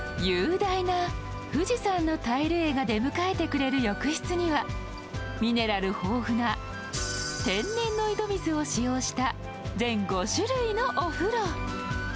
雄大な富士山のタイル絵が出迎えてくれる浴室はミネラル豊富な天然の井戸水を使用した全５種類のお風呂。